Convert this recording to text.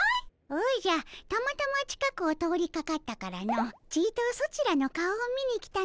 おじゃたまたま近くを通りかかったからのちとソチらの顔を見に来たのじゃ。